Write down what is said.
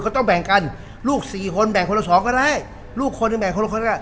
ก็ต้องแบ่งกันลูกสี่คนแบ่งคนละสองก็ได้ลูกคนก็แบ่งคนละคนละ